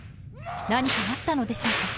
何かあったのでしょうか。